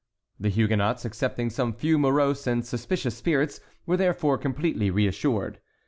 The Huguenots, excepting some few morose and suspicious spirits, were therefore completely reassured.